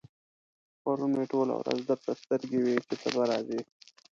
پرون مې ټوله ورځ درته سترګې وې چې ته به راځې.